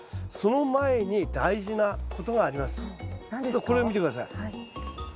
ちょっとこれを見て下さい。